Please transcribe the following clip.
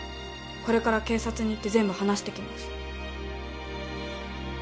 これから警察に行って全部話してきます。